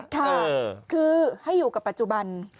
ค่ะคือให้อยู่กับปัจจุบัน